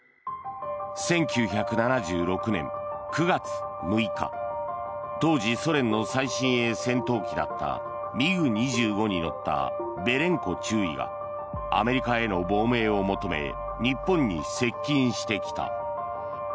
１９７６年９月６日当時、ソ連の最新鋭戦闘機だったミグ２５に乗ったベレンコ中尉がアメリカへの亡命を求め日本に接近してきた。